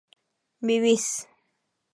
vivís